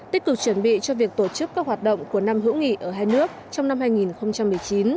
tích cực chuẩn bị cho việc tổ chức các hoạt động của năm hữu nghị ở hai nước trong năm hai nghìn một mươi chín